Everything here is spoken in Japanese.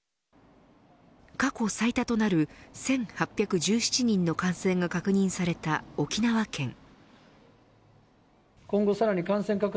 過去最多となる１８１７人の感染が確認された沖縄県。